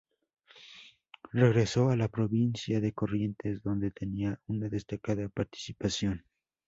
Regresó a la provincia de Corrientes, donde tenía una destacada participación.